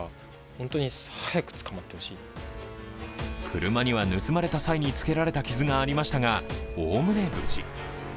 車には盗まれた際につけられた傷がありましたが、おおむね無事。